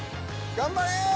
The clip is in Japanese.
頑張れ！